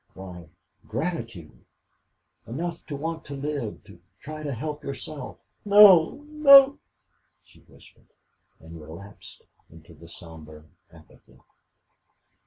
"Why, gratitude enough to want to live, to try to help yourself." "No no," she whispered, and relapsed into the somber apathy.